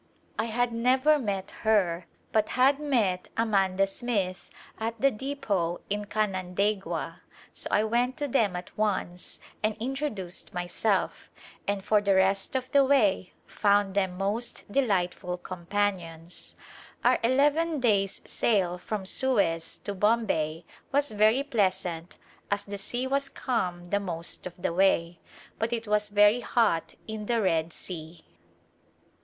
I had never seen Second Journey to India her but had met Amanda Smith at the depot in Canan daigua, so I went to them at once and introduced my self and for the rest of the way found them most de lightful companions. Our eleven days' sail from Suez to Bombay was very pleasant as the sea was calm the most of the way, but it was very hot in the Red Sea.